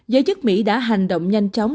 giới chức mỹ đã hành động nhanh chóng